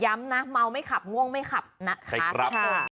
ย้ำนะเมาไม่ขับง่วงไม่ขับนะคะใช่ครับ